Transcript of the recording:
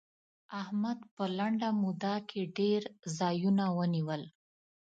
احمد په لنډه موده کې ډېر ځايونه ونيول.